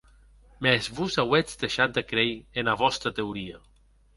Mès vos auetz deishat de creir ena vòsta teoria.